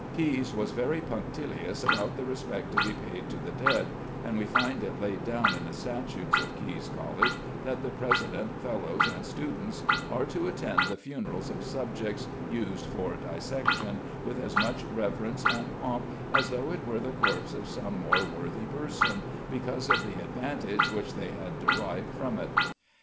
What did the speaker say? Caius was very punctilious about the respect to be paid to the dead, and we find it laid down in the statutes of Caius College that the president, fellows, and students are to attend the funerals of subjects used for dissection with as much reverence and pomp as though it were the corpse of some more worthy person, because of the advantage which they had derived from it.